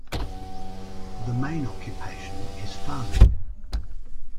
The main occupation is Farming.